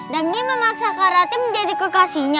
jangdi memaksa kak rati menjadi kekasihnya